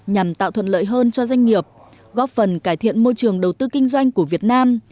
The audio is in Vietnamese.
nhằm tạo thuận lợi hơn cho doanh nghiệp góp phần cải thiện môi trường đầu tư kinh doanh của việt nam